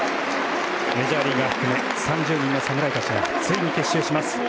メジャーリーガー含め３０人の侍たちがついに結集します。